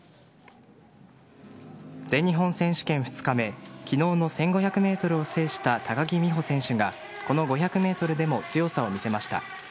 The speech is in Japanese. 全日本選手権２日目昨日の１５００ｍを制した高木美帆選手がこの５００ｍでも強さを見せました。